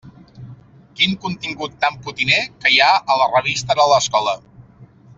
Quin contingut tan potiner que hi ha a la revista de l'escola!